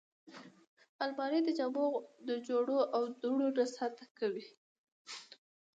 الماري د جامو د غوړو او دوړو نه ساتنه کوي